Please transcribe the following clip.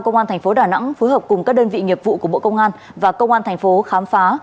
công an tp đà nẵng phối hợp cùng các đơn vị nghiệp vụ của bộ công an và công an tp đà nẵng khám phá